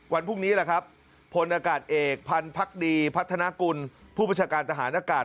วันพรุ่งนี้แหละครับพลอากาศเอกพันธ์ดีพัฒนากุลผู้บัญชาการทหารอากาศ